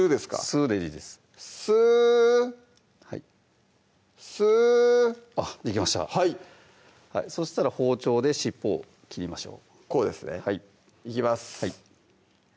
スーでいいですスーはいスーあっできましたそしたら包丁で尻尾を切りましょうこうですねいきます